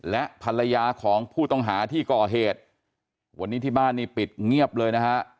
และภรรยาของผู้ต้องหาที่ก่อเหตุวันนี้ที่บ้านนี่ปิดเงียบเลยนะฮะ